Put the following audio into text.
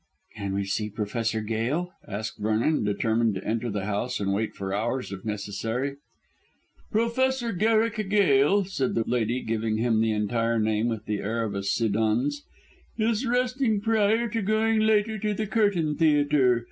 "Can we see Professor Gail?" asked Vernon, determined to enter the house and wait for hours if necessary. "Professor Garrick Gail," said the lady, giving him the entire name with the air of a Siddons, "is resting prior to going later to the Curtain Theatre.